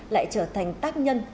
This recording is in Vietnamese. lại trở thành tác nhân